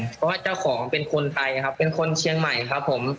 เพราะว่าเจ้าของเป็นคนไทยครับเป็นคนเชียงใหม่ครับผม